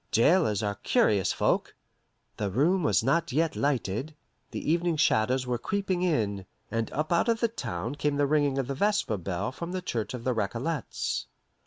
"Jailers are curious folk." The room was not yet lighted, the evening shadows were creeping in, and up out of the town came the ringing of the vesper bell from the church of the Recollets.